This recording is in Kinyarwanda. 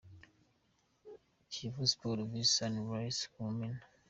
Kiyovu Sports vs Sunrise ku Mumena.